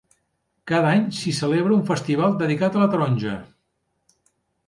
Cada any s'hi celebra un festival dedicat a la taronja.